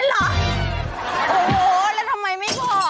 โอ้โหแล้วทำไมไม่บอก